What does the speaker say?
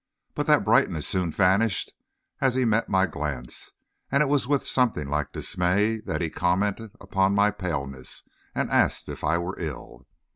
But that brightness soon vanished as he met my glance, and it was with something like dismay that he commented upon my paleness, and asked if I were ill.